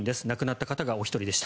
亡くなった方がお一人でした。